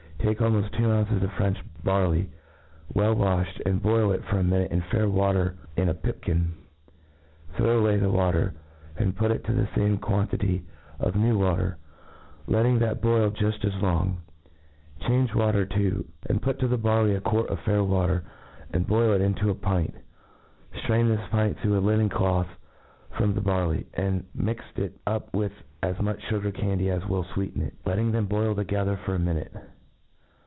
Take almoft two ounces of French barley, well waihed, and boil it for a minute m fair water in a pipkin ; throw away that wa ter, and put to it the lame quantity of new water, letting that boil juft as long; change that water too, and put to the barley a quart of fair water, and boil it into a pint ; ftrain this pint through a linen cloth from the barley, and ixiixt it up with as much fugar candy as wiA fweeten it, letting them boil together for a mi ^ hute.